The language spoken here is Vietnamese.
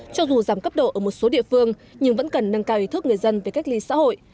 cho dù giảm cấp độ ở một số địa phương nhưng vẫn cần nâng cao ý thức người dân về cách ly xã hội